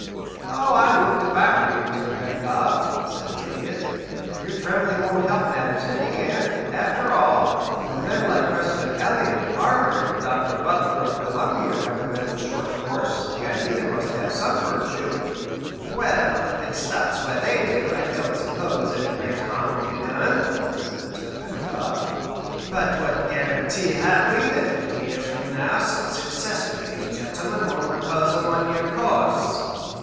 "Oh, I wouldn't if I were you, Mr. Pedagog," said the Idiot. "Your trembling won't help matters any, and, after all, when men like President Eliot of Harvard and Dr. Butler of Columbia recommend the short course the idea must have some virtue." "Well, if it stops where they do I don't suppose any great harm will be done," said Mr. Pedagog. "But what guarantee have we that fifty years from now some successor to these gentlemen won't propose a one year course?"